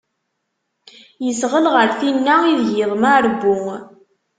Yesɣel ɣer tinna ideg yeḍmeɛ ṛewwu.